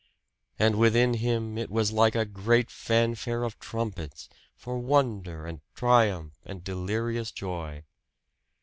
And within him it was like a great fanfare of trumpets, for wonder and triumph and delirious joy.